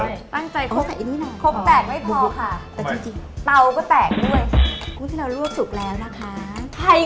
ตั้งใจคลกไอ้นี่นะ